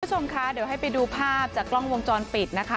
คุณผู้ชมคะเดี๋ยวให้ไปดูภาพจากกล้องวงจรปิดนะคะ